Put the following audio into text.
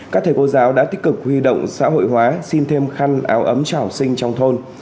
các thầy cô giáo đã tích cực huy động xã hội hóa xin thêm khăn áo ấm cho học sinh trong thôn